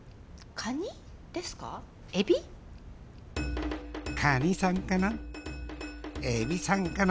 カニさんかな？